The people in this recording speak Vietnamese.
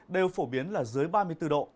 đều phổ biến là dưới ba mươi bốn độ